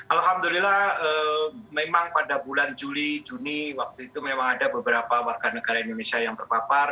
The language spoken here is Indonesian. alhamdulillah memang pada bulan juli juni waktu itu memang ada beberapa warga negara indonesia yang terpapar